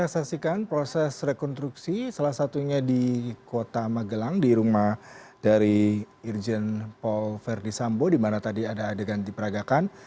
saya saksikan proses rekonstruksi salah satunya di kota magelang di rumah dari irjen paul verdi sambo di mana tadi ada adegan diperagakan